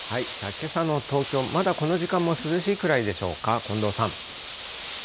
けさの東京、まだこの時間も涼しいくらいでしょうか、近藤さん。